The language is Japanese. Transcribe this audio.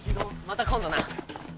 また今度な。